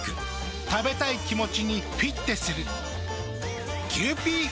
食べたい気持ちにフィッテする。